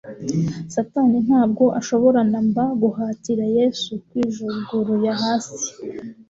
Satani ntabwo ashobora na mba guhatira Yesu kwijuguruya hasi.